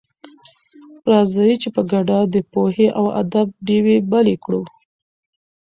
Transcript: راځئ چې په ګډه د پوهې او ادب ډېوې بلې کړو.